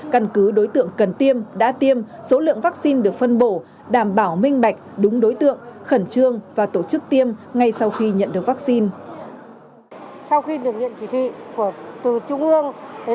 căn cứ đối tượng cần tiêm đã tiêm số lượng vaccine được phân bổ đảm bảo minh bạch đúng đối tượng khẩn trương và tổ chức tiêm ngay sau khi nhận được vaccine